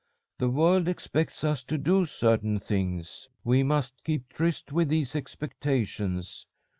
The world expects us to do certain things. We must keep tryst with these expectations.